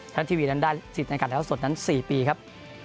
รัฐทีวีนั้นได้สิทธิ์ในการเท้าสดนั้น๔ปีครับ